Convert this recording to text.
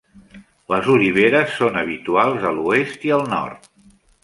Les oliveres són habituals a l'oest i al nord.